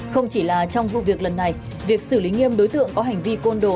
không chỉ là trong vụ việc lần này việc xử lý nghiêm đối tượng có hành vi côn đồ